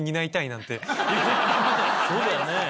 そうだよね。